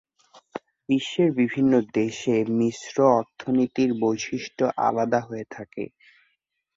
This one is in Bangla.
বিশ্বের বিভিন্ন দেশে মিশ্র অর্থনীতির বৈশিষ্ট্য আলাদা হয়ে থাকে।